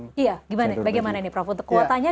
jalur mandiri iya bagaimana nih prof untuk kuotanya